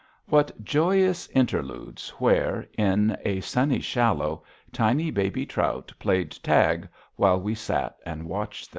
What joyous interludes where, in a sunny shallow, tiny baby trout played tag while we sat and watched them!